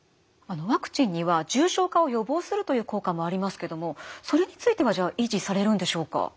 ワクチンには重症化を予防するという効果もありますけどもそれについてはじゃあ維持されるんでしょうか？